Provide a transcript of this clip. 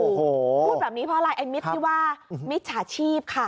โอ้โหพูดแบบนี้เพราะอะไรไอ้มิตรที่ว่ามิจฉาชีพค่ะ